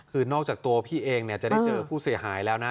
คือนอกจากตัวพี่เองจะได้เจอผู้เสียหายแล้วนะ